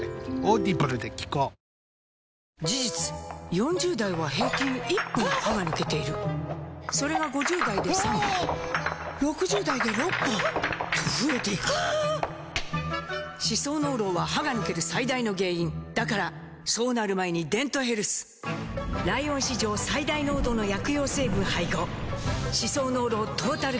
４０代は平均１本歯が抜けているそれが５０代で３本６０代で６本と増えていく歯槽膿漏は歯が抜ける最大の原因だからそうなる前に「デントヘルス」ライオン史上最大濃度の薬用成分配合歯槽膿漏トータルケア！